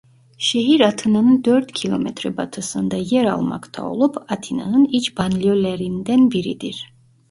Şehir Atina'nın dört kilometre batısında yer almakta olup Atina'nın iç banliyölerinden biridir.